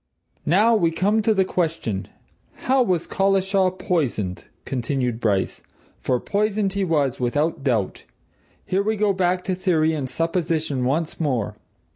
"Now we come to the question how was Collishaw poisoned?" continued Bryce. "For poisoned he was, without doubt. Here we go back to theory and supposition once more.